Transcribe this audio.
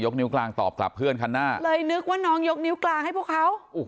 นิ้วกลางตอบกลับเพื่อนคันหน้าเลยนึกว่าน้องยกนิ้วกลางให้พวกเขา